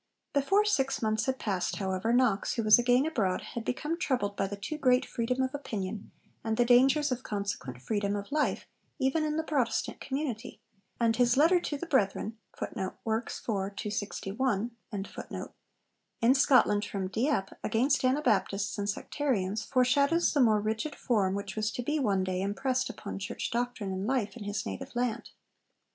Before six months had passed, however, Knox, who was again abroad, had become troubled by the too great freedom of opinion and the dangers of consequent freedom of life even in the Protestant community, and his letter 'To the Brethren' in Scotland from Dieppe, against Anabaptists and Sectarians, foreshadows the more rigid form which was to be one day impressed upon Church doctrine and life in his native land.